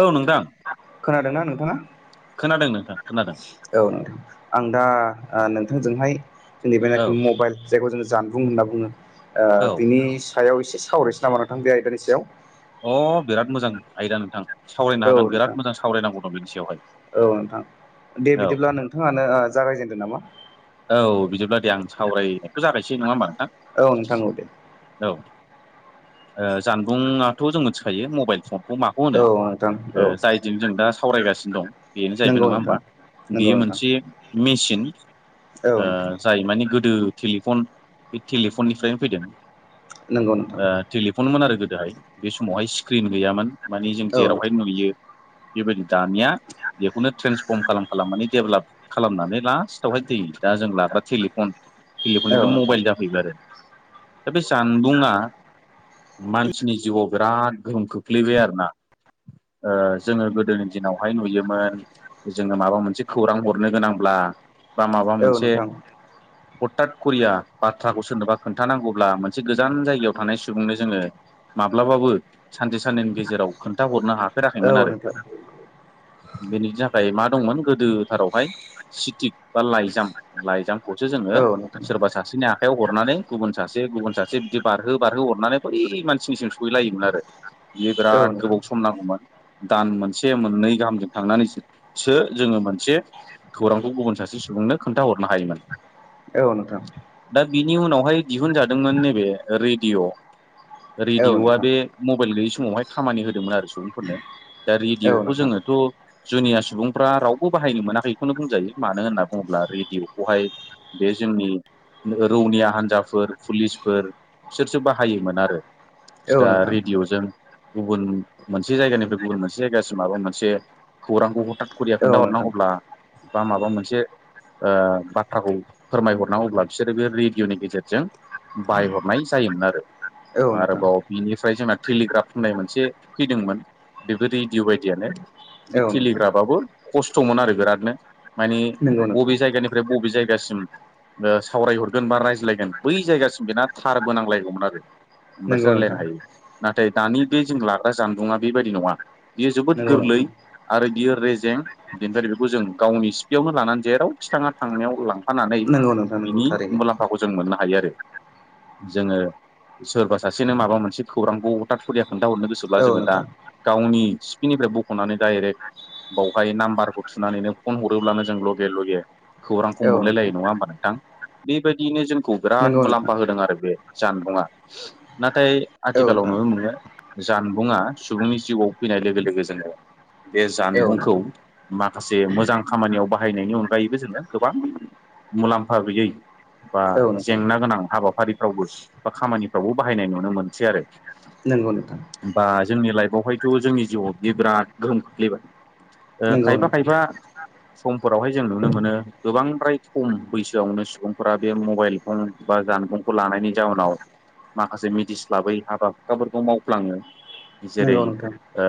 औ नोंथां खोनादोंना नोंथाङा खोनादों नोंथां खोनादों औ नोंथां आं दा जोंहाय औ जैबनाखि मबाइल जायखौ जोङ जानबुं होनना बुङो औ बिनि सायाव एसे सावरायनोसै नामा नोंथां बे आयदानि सायाव अ बिराद मोजां आयदा नोंथां सावरायनो औ हागोन नोंथां बिराद मोजां सावरायनांगौ दं बिनि सायावहाय औ नोंथां दे औ बिदिब्ला नोंथाङानो जागायजेनदो नामा औ बिदिब्ला दे आं सावरायनायखौ जागायसै नङा होमबा औ औ दे नोंथां औ जानबुंआथ' जों मिथिखायो मबाइल फन खौ माखौ होनो औ नोंथां औ जायजों जों दा सावरायगासिनो दं बेनो जाहैबाय नंगौ नङा नोंथां होमबा नंगौ बेयो नोंथां मोनसे मेसिन औ नोंथां जाय माने गोदो टेलिफन बे टेलिफन निफ्रायनो फैदों नंगौ नोंथां टेलिफनमोन आरो गोदाय बे समावहाय स्क्रिन गैयामोन माने जों औ जेरावहाय नोंथां नुयो बेबायदि दानिया बेखौनो ट्रेन्सफर्म खालामनानै डेभेलप खालामनानै लास्टआवहाय दै दा जों लाग्रा लिफन टेलिफन औ निफ्राय नोंथां मबाइल जाफैबाय आरो दा बे जानबुङा मानसिनि जिउआव बिराद गोहोम खोख्लैबाय आरोना जोङो गोदोनि दिनावहाय नुयोमोन जोङो माबा मोनसे खौरां हरनो गोनांब्ला ब ब औ नोंथां हथात करिया बाथ्राखौ सोरनोबा खोन्थानांगौब्ला मोनसे गोजान जायगायाव थानाय सुबुंनो जोङो माब्लाबाबो सानसे साननैनि गेजेराव खोन्थाहरनो हाखोन औ फेराखैमोन आरो नोंथां बेनि थाखाय मा दंमोन गोदथारावह ब ला लाइजाम खौसो जोङो औ नोंथां औ नोंथां सोरबा सासेनि आख हखाइायाव हरनानै गुबुन सासे गुबुन सासे बिदि बारहो बारहो हरनानै बै मानसिनिसिम सहैलायोमोन आरो बियो औ बिराद नोंथां गोबाव सम नांगौमोन दान मोनसे मोननै गाहामजों थांनानैसो जोङो मोनसे खौरांखौ गुबुन सासे सुबुंनो खोन्थाहरनो होमोन औ नोंथां बिनि उनावहाय दिहुनजादोंमोन नैबे रेडिअ' औ रेडिअ'आ नोंथां बे मबाइल गैयै समावहाय खामानि होदोंमोन आरो सुबुंफोरनो दा रेडिय'खौ जोङोथ' जुनिया सुबुंफ्रा रावबो बाहायनो मोनाखैखौनो बुंजायो मानो होनना बुङोब्ला रेडिय'खौहाय बे जोंनि रौनिया हान्जाफोर पुलिसफोर बिसोरसो बाहायोमोन आरो औ सटार रेडियअजों गुबुन मोनसे जायगानिफ्राय गुबुन मोनसे जायगासिम माबा मोनसे खौरांखौ हरथा करुरिया नोंथां खोन्थााहरनांगौब्ला बा माबा मोनसे ओ बाथ्राखौ फोरमायहरनांगौब्ला बिसोरो बे रेडिय'नि गेजेरजों बायहरनाय जायोमोन आरो औ नोंथां आरोबाव बिनिफ्राय जोंना टेलिग्राफ होननाय मोनसे फैदोंमोन बेबो रेडिय' बायदियानो औ बे नोंथां थिलिग्राबाबो खस्थ'मोन आरो बिरादनो। माने नंगौ बबे नोंथां। जायगानिफ्राय बबे जायगासिम सावरायहरगोन बा रायज्लायगोन बै जायगासिम बेना थारबो नांलायगौमोन आरो हमबासो नंगौ रायज्लायनो नोंथां हायो। नाथाय दानि बे जों लाग्रा जानबुंङआ बेबायदि नङा। बियो जोबोद नंगौ गोरलै नोंथां आरो बियो रेजें बेनिफ्राय बेखौ जों गावनि सिफियावनो लानानै जेराव खि थाङा थांनायाव लांफानानै नंगौ नोंथां नंगौ बिनि थारैनो मुलाम्फाखौ जों मोननो हायो आरो। जोङो सोरबा सासेनो माबा मोनसे खौरांखौ अथाथ [unintelligible] खोन्थााहरनो गोसोब्ला औ जोङो दा नोंथां गावनि सि्पिनिफ्राय बख'नानै डाइरेक्ट बावहाय नाम्बारखौ थुनानैनो फन हरोब्लानो जोंल' लगे लगे खौरांखौ औ नोंथां मोनलायलायो नङा होमबा नोंथां बेबायदिनो जों खौ बिराद नंगौ नोंथां मुलाम्फा होदों आरो बे जानबुङा नाथाय औ आथिखालाव नोंथां नुनो मोनो जानबुंङा सुबुंनि जिउआव फैनाय लोगो लोगो जोङो बे औ जानबुंखौ नोंथां मा खासे मोजां खामानियाव बाहायनायनि अनगायैबो जोङो गोबां मुलाम्फा गैयै बा औ नोंथां जेंना गोनां हाबाफारिफ्रावबो बा खामानिफ्रावबो बाहायनाय नुनो मोनसै आरो नंगौ नोंथां बा जोंनि लाइफआवहायथ' जोंनि जिउआव बियो बिराद गोहोम खोख्लैबाय ओ नंगौ खायफा नोंथां खायफा समफोरावहाय जों नुनो मोनो गोबांद्राय खम बैसोआवनो सुबुंफोरा बे मबाइल फन बा जा नबुंखौ लानायनि जाहोनाव माखासे मिथिस्लाबै हाबा हुखाफोरखौ मावफ्लाङो जेरै नंगौ नोंथां ओ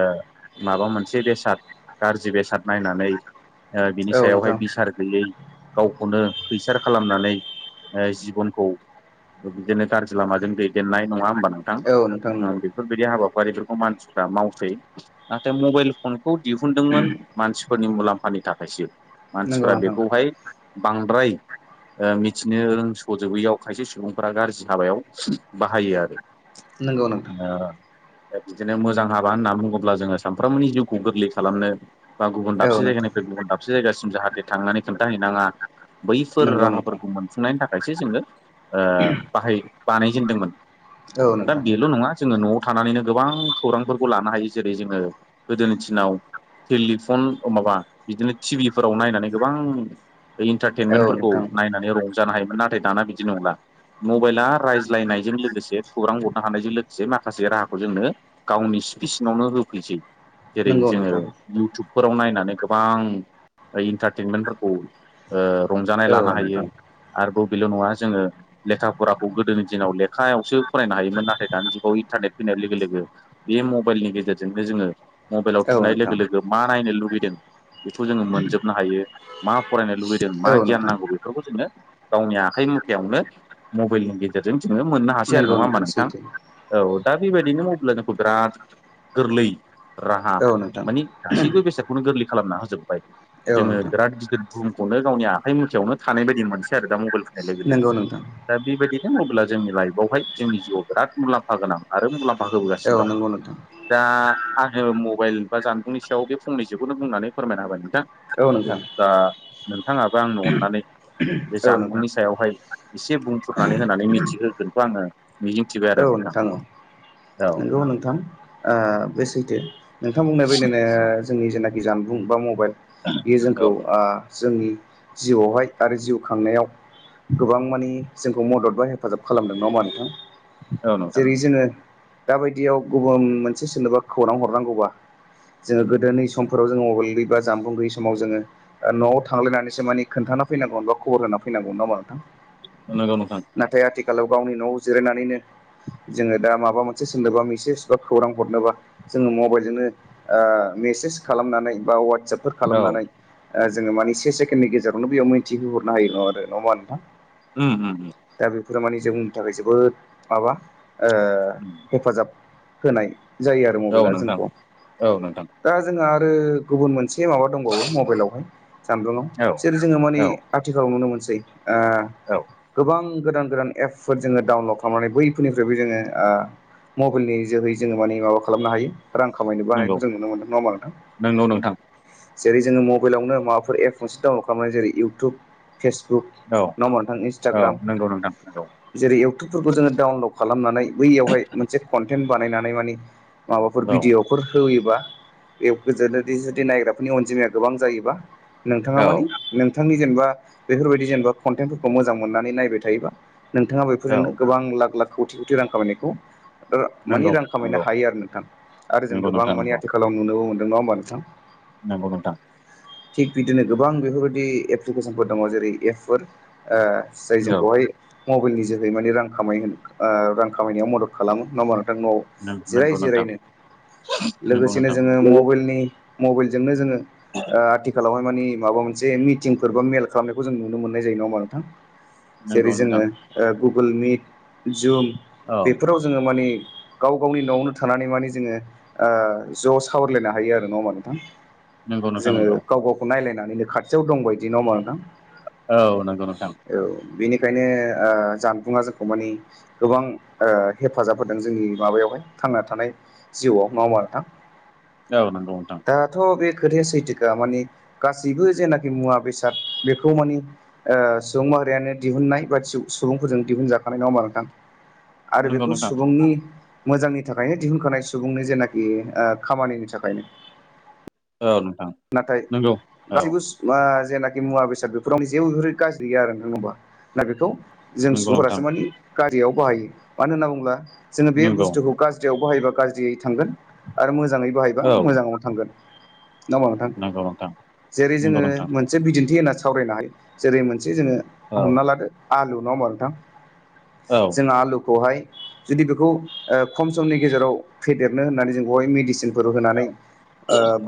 माबा मोनसे बेसाद गाज्रि बेसाद नायनानै ओ बिनि औ सायावहाय नोंथां बिसार गैयै गावखौनो खैसार खालामनानै ओ जिबनखौ बिदिनो गाज्रि लामाजों दैदेननाय नङा होमबा नोंथां औ नोंथां ओ बेफोरबायदि हाबाखौ रिफोरखौ मानसिफ्रा मावसै नाथाय मबाइल फनखौ दिहुनदोंमोन मानसिफोरनि मुलाम्फानि था खायसो मानसिफ्रा नंगौ बेखौहाय बांद्राय ओ मिथिनो रोंस'जोबैयाव खायसे सुबुंफोरा गाज्रि हाबायाव बाहायो आरो नंगौ नोंथां बिदिनो मोजां हाबा होनना बुङोब्ला जोङो सानफ्रोमबोनि जिउखौ गोरलै खालामनो बा गुबुन दाबसे जायगानि दाबसे जायगासिम जाहाथे थांनानै खोन्थाहैनाङा बैफोर नंगौ नोंथां राहाफोरखौ मोनफुंनायनि थाखायसो जोङो ओ बाहाय बानायजेनदोंमोन औ दा नोंथां बेल' नङा जोङो न'आव थानानैनो गोबां खौरांफोरखौ लानो हायो जेरै जोङो गोदोनि दिनाव टेलिफन अ माबा बिदिनो टि भिफोराव नायनानै गोबां नंगौ नोंथां औ इन्टारटेनमेन्टफोरखौ नोंथां औ नोंथां नायनानै रं जानो हायोमोन नाथाय दाना बिदि नंला मबाइला रायज्लायनायजों लोगोसे खौरां हरनो हानायजों लोगोसे माखासे राहाखौ जोंनो गावनि स्पिसिनावनो होफैसै जेरै नंगौ जोङो नोंथां इउटुबफोराव नायनानै गोबां इन्टारटेनमेन्टफोरखौ ओ रंजानाय लानो औ हायो नोंथां आरोबाव बेल' नङा जोङो लेखा फराखौ गोदोनि दिनाव लेखायावसो फरायनो हायोमोन नाथाय दानि जुगाव इन्टारनेट फैनाय लोगो लोगो बे मबाइलनि गेजेरजोंनो जोङो मबाइलाव औ थुनाय लोगो लोगो नोंथां मा नायनो लुबै बेखौ जोङो मोनजोबनो हायो मा फरायनो लुबैदों मा औ गियान नोंथां नांगौ बेफोरखौ जोंनो गावनि आखाइ मुथायावनो मबाइलनि गेजेरजों जोङो मोननो हासै आरो नंगौ नङा होमबा नोंथां सैथो औ दा बेबायदिनो मबाइला जोंखौ बिराद गोरलै राहा औ नोंथां माने गासैबो बेसादखौनो गोरलै खालामना होजोबबाय औ जोङो नोंथां बिराद गिदिर बुहुमखौनो गावनि आखाइ मुथियावनो थानाय बायदि मोनसै आरो दा मबाइल फैनाय लोगो लोगो नंगौ नोंथां दा बेबायदि मबेला जोंनि लाइफआवहाय जोंनि जिउआव बिराद मुलाम्फा गोनां आरो मुलाम्फा फा होबोगासिनो औ दं नंगौ नोंथां दा आङो मबाइल बा जानबुंनि सायाव बे फंनैसोखौनो बुंनानै फोरमायना होबाय नोंथां औ नोंथां दा नोंथाङाबो आंनो अननानै बे औ नोंथां जानबुंनि सायावहाय एसे बुंफुरनानै होनानै मिथिहोगोनखौ आङो मिजिंथिबाय औ आरो नोंथां औ औ नंगौ नोंथां ओ बे सैथो। नोंथां बुंनाय बायदिनो जोंनि जेनाखि जानबुं बा मबाइल बेयो जोंखौ औ आ जोंनि जिउआवहाय आरो जिउ खांनायाव गोबां मानि जोंखौ मदद बा हेफाजाब खालामदों नङा होनबा नोंथां? औ नोंथां जेरै जोङो दाबायदियाव गुबुन मोनसे सोरनोबा खौरां हरनांगौबा जोङो गोदोनि सम फोराव जोङो मबाइल गैयि बा जानबुं गैयि समाव जोङो न'आव थांलायनानैसो मानि खोनथाना फैनांगौमोन बा खबर होना फैगौ [unintelligible] नोंथां नोंगौ नोंथां नाथाय आथिखालाव गावनि न'आव जिरायनानैनो जोङो दा माबा मोनसे सोंनोबा मेसेज बा खौरां हरनोबा जोङो मबाइलजोंनो ओ मे सेस खालामनानै बा वाट वाट्सापफोर औ खालामनानै जोङो मानि से सेकेण्डनि गेजेरावनो बेयाव मिन्थिहोहरनो हायो आरो नङा होमबा नोंथां? उम उम फोर मानि जोंनि थाखाय जोबोद माबा ओ हेफाजाब होनाय। जायो आरो औ मबाइला नोंथां जोंखौ औ नोंथां दा जोंहा आरो गुबुन मोनसे एसे माबा दंबावो मबाइलावहाय जानलुंआव औ जेरै जोङो माने औ आथिखालाव नुनो मोनसै ओ औ गोबां गोदान गोदान एपफोर जोङो डाउनलड खालामनानै बैफोरनिफ्रायबो जोङो आ मबाइलनि जोहै जोङो मानि माबा खालामनो हायो। रां खामायनोबो नंगौ हानायखौ जों नुनो मोनदों नङा होनबा नोंथां? नंगौ नोंथां जेरै जोङो मबाइलावनो माबाफोर एप मोनसे डाउनलड खालामो जेरै इउटुब फेसबुक औ नङा होनबा नोंथां औ इन्सटाग्राम नंगौ नोंथां नंगौ जेरै एउ फोरखौ जोङो डाउनल'ड खालामनानै बैयावहाय मोनसे कन्टेन्ट बानायनानै माने माबाफोर औ भिडिअफोर होयोबा बे गोजोन जुदि नायग्राफोरनि अनजिमाया गोबां जायोबा नोंथाङा मानि नों औ नोंथांनि जेनेबा बेफोरबायदि जेनेबा कन्टेन्टफोरखौ मोजां मोननानै नायबाय थायोबा नोंथाङा औ बेफोरजोंनो आं लाख लाख खौथि खौथि रां खामायनायखौ ओ मानि नंगौ रां खामायनो नंगौ हायो आरो नोंथां आरो जों नंगौ गोबां नोंथां माने नंगौ आथिखालाव नुनोबो मोनदों नङा होमबा नोंथां? नंगौ नोंथां। थिग बिदिनो गोबां बेफोरबायदि एप्लिकेसनफोर दङ जेरै एपफोर ओ जाय औ जोंखौहाय मबाइलनि जोहै माने रां खामाय ओ रां खामायनायाव मदद खालामो नङा होमबा [unintelligible] जिराय नंगौ नोंथां जिरायनो नंगौ लोगोसेनो नोंथां जोङो मबाइलनि मबाइलजोंनो जोङो ओ आथिखालावहाय मानि माबा मोनसे मिटिंफोर बा मेल खालामनायखौ जों नुनो मोननाय जायो नङा होनबा नोंथां? जेरै नंगौ नोंथां जोङो ओ गुगोल मिट, जुम औ बेफोराव जोङो मानि गाव गावनि न'आवनो थानानै माने जोङो ओ ज' सावरायलायनो हायो आरो नङा होमबा नोंथां? नंगौ नोंथां जोङो नंगौ गाव गावखौ नायलायनानैनो खाथियाव दंबायदि न मा नोंथां औ नंगौ नोंथां। बिनिखायनो ओ जानबुंआ जो खौ माने गोबां ओ हेफाजाब होदों जोंनि माबायावहाय थांना थानाय जिउआव नङा होमबा नो थां औ नंगौ नोंथां। खोथाया सैथोखा माने गासैबो जेनाखि मुवा बेसाद बेखौ मानि ओ सुबुं यानो दिहुननाय बाय-सु-सुबुंफोरजों दिहुनजा थानाय नङा होनबा नोंथां? आरो नंगौ बेखौ नोंथां सुबुंनि मोजांनि थाखायनो दिहुनखानाय सुबुंनि जेनाखि ओ खामानिनि थाखाय औ नोंथां नाथाय नंगौ औ गबो जेनाखि मुवा बेसाद बेफोराव जेबो गाज्रि गैया आरो नङ होमबा ना बेखौ जों नंगौ नोंथां सुबुंफोरासो माने गाज्रियाव बाहायो मानो होनना बुङोब्ला जोङो बे नंगौ बुस्थुखौ गाज्रियाव बाहायबा गाज्रियै थांगोन आरो मोजाङै बाहायबा औ मोजाङावनो थांगोन नाोमा नोंथां नंगौ नोंथां जेरै नंगौ जोङो नोंथां मोनसे बिदिन्थि होनना सावरायनो हायो जेरै मोनसे जोङो औ हमना लादो आलु नङा होमबा नोंथां औ जों आलुखौहाय जुदि बेखौ खम समनि गेजेराव फेदेरनो होननानै जों बेवहाय मेडिसिन फोर औ होनानै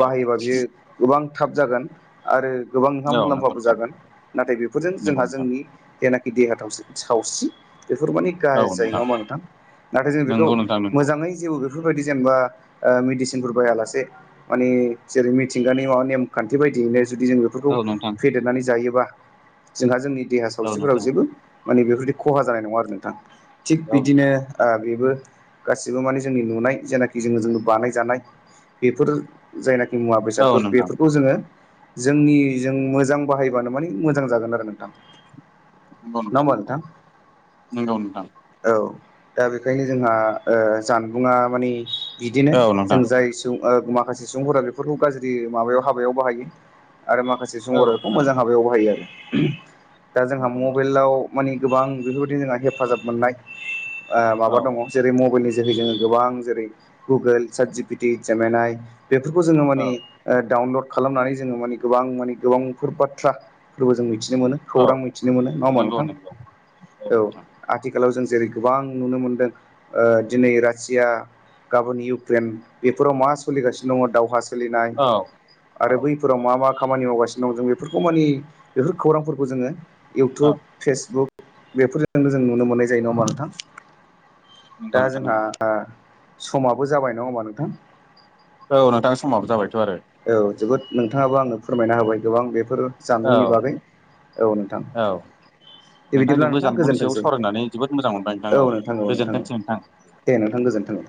बाहायोबा बियो गोबां थाब जागोन आरो गोबां नोंहा नंगौ मुलाम्फाबो नोंथां जागोन नाथाय बेफोरजों नंगौ जोंहा नोंथां जोंनिना ग देरहाथाव सावस्रि बेफोर माने गाज जायो नङामा नोंथां नाथाय जों बेखौ नंगौ नोंथां नंगौ मोजाङै जेबो बेफोरबायदि जेनेबा मेडिसिनफोर बायालासे माने जेरै मिथिंगानि माबा नेमखान्थि बायदियैनो जुदि जों बेफोरखौ औ नोंथां फेदेरनानै जायोबा जोंहा जोंनि देहा औ सावस्रिफोराव नोंथां जेबो माने बेफोरदि खहा जानाय नङा आरो नोंथां थिग औ नोंथां बिदिनो बेबो गासिबो माने जोंनि नुनाय जेनाखि जोङो ज बानाय जानाय बेफोर जायनाखि मुवा औ बेसादफोर नोंथां बेफोरखौ जोङो जोंनि जों मोजां बाहायबानो माने मोजां जागोन आरो नोंथां नंगौ नोंथां नंगौ नङबथां नंगौ नोंथां औ दा बेखायनो जोंहा जानबुंङा मानिे बिदिनो औ जों नोंथां जाय सुबुं माखासे सुबुंफोरा बेफोरखौ गाज्रि माबायाव हाबायाव बाहायो आरो माखासे औ संगखौ मोजां हाबायाव बाहायो आरो दा जोंहा नंगौ नोंथां मबाइलाव माने गोबां बेफोरबायदि जोंहा हेफाजाब मोननाय माबा औ दङ जेरै मबाइलनि जेरहै जोङो गोबां जेरै Google certificate M N I बे जोङो माने औ डाउनलड खालामनानै जोङो म गोबां माने गोबांफोर बाथ्राबो जों मि मिथिनो मोन औ खौरां मिथिनो मोनो नङा हा नंगौ नोंथां नंगौ औ आथिखालाव जों जेरै गोबां नुनो मोनदों दिनै रासिया गाबोन इउक्रेन बेफोराव मा सोलिगासिनो दङ दावहा सोलिनाय औ औ आरो बैफोराव मा मा खामानि मावगासिनो दं जों बेफोरखौ मानि बेफोर खौरांफोरखौ जोङो औ इउटुब फेसबुक बेफोरजों जों नुनो मोननाय जायो नाोमा नोंथां दा नंगौ नोंथां जोंहा नंगौ समाबो जाबाय नङा होनबा नोंथां औ नोंथां समाबो जाबायथ' आरो औ जोबोद नोंथाङाबो आंनो फोरमायना होबाय गोबां बेफोर औ जानबुंनि बागै औ नोंथां औ बे बिदिब्ला नोंथांजोंबो नोंथां जानबुंनि सायाव गोजोन्थोंसै सावरायनानै जोबोद मोजां मोनबाय औ नोंथां औ नोंथां औ गोजोनथोंसै दे नोंथां गोजोनथों